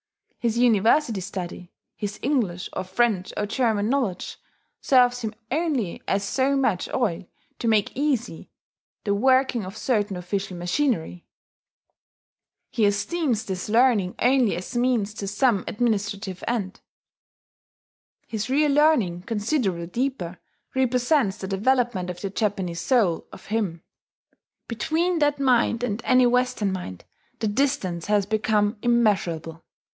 His University study his English or French or German knowledge serves him only as so much oil to make easy the working of certain official machinery: he esteems this learning only as means to some administrative end; his real learning, considerably deeper, represents the development of the Japanese soul of him. Between that mind and any Western mind the distance has become immeasurable.